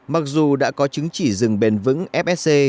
mặc dù đã có chứng chỉ rừng bền vững fsc